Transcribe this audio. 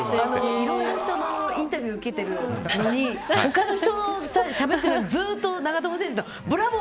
いろんな人のインタビューを受けてるのに他の人のしゃべってる間ずっと長友選手のブラボー！